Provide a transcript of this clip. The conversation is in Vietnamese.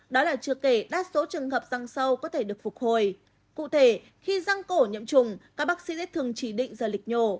đó là chưa kể đa số trường hợp răng sâu có thể được phục hồi